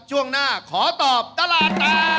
ช่วงหน้าขอตอบตลาดตา